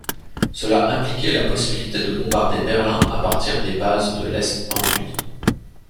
Cela impliquait la possibilité de bombarder Berlin à partir des bases de l'Est-Anglie.